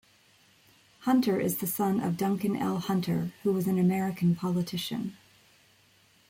Hunter is the son of Duncan L. Hunter, who was an American politician.